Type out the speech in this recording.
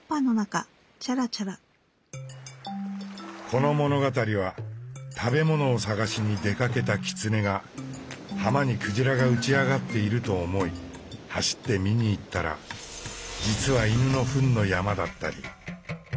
この物語は食べ物を探しに出かけた狐が浜に鯨が打ち上がっていると思い走って見にいったら実は犬の糞の山だったり。